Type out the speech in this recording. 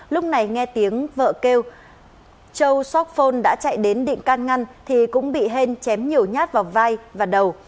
lúc này nghe tiếng vợ kêu châu sóc phôn đã chạy đến định can ngăn thì cũng bị hên chém nhiều nhát vào vai và đầu